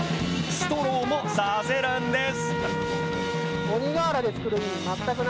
ストローも挿せるんです。